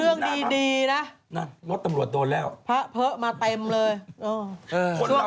เรื่องดีนะพระเภามาเต็มเลยช่วงพระของหลักนี้น่ะ